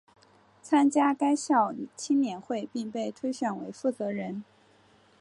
参加该校青年会并被推选为负责人。